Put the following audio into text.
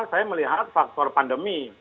saya melihat faktor pandemi